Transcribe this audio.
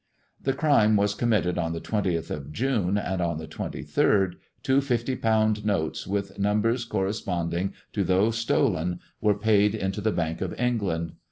The crime was committed on the twentieth of June, and on the twenty third two fifty pound notes, with numbers corresponding to those stolen, were paid into the Bank of England.